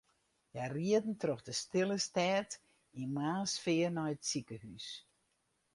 Hja rieden troch de stille stêd yn moarnssfear nei it sikehús.